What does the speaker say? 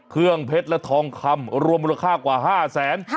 เครื่องเพชรและทองคำรวมมูลค่ากว่า๕แสน